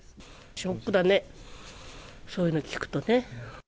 ショックだね、そういうのを聞くとね。